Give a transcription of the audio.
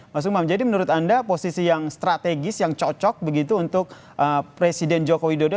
mas umam jadi menurut anda posisi yang strategis yang cocok begitu untuk presiden joko widodo